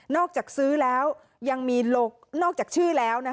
นอกจากซื้อแล้วนอกจากชื่อแล้ว